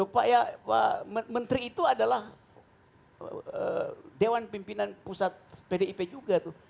pak ya menteri itu adalah dewan pimpinan pusat pdip juga tuh